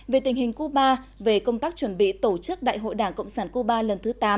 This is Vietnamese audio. về tình hình cuba về công tác chuẩn bị tổ chức đại hội đảng cộng sản cuba lần thứ tám